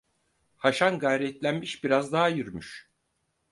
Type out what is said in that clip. Haşan gayretlenmiş, biraz daha yürümüş.